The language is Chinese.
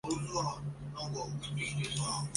金川三角城遗址的历史年代为青铜时代。